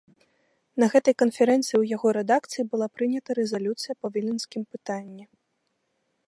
На гэтай канферэнцыі ў яго рэдакцыі была прынята рэзалюцыя па віленскім пытанні.